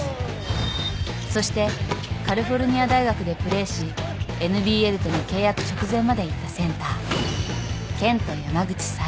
そしてカリフォルニア大学でプレーしＮＢＬとの契約直前までいったセンター。